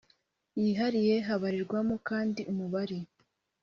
yihariye Habarirwamo kandi umubare